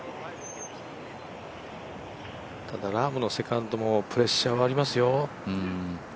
ただラームのセカンドもプレッシャーがありますよ。